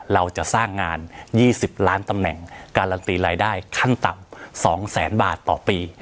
เราจะสร้างงาน๒๐ล้านตำแหน่งการันตีรายได้ขั้นต่ำ๒แสนบาทต่อปี